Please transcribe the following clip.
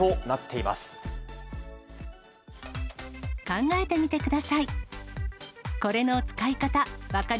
考えてみてください。